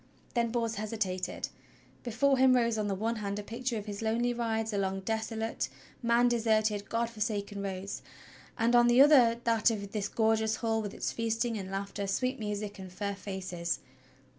Then Bors hesitated. Before him rose on the one hand a picture of his lonely rides along desolate, man deserted, God forsaken roads, and on the other that of this gorgeous hall with its feasting and laughter, sweet music and fair faces.